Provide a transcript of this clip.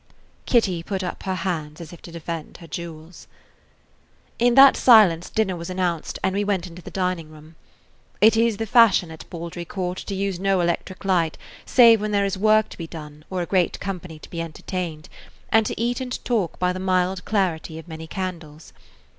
Kitty put up her hands as if to defend her jewels. [Page 51] In that silence dinner was announced, and we went into the dining room. It is the fashion at Baldry Court to use no electric light save when there is work to be done or a great company to be entertained, and to eat and talk by the mild clarity of many candles.